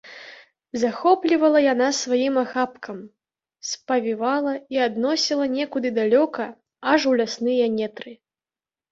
Захоплівала яна сваім ахапкам, спавівала і адносіла некуды далёка, аж у лясныя нетры.